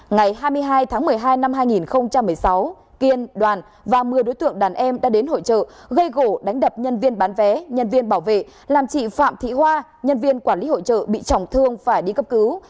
ngày hai mươi hai tháng một mươi hai năm hai nghìn một mươi sáu kiên đoàn và một mươi đối tượng đàn em đã đến hội trợ gây gỗ đánh đập nhân viên bán vé nhân viên bảo vệ làm chị phạm thị hoa nhân viên quản lý hội trợ bị trọng thương phải đi cấp cứu